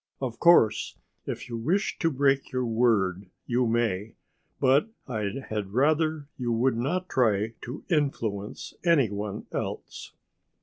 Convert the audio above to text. Of course if you wish to break your word you may, but I had rather you would not try to influence any one else."